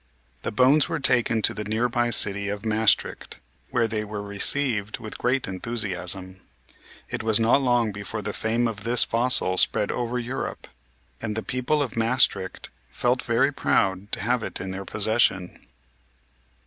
The bones were taken to the near by city of Maestricht, where they were received with great enthusiasm. It was not long before the fame of this fossil spread over Europe, and the people of Maestricht felt very proud to have it in their possession.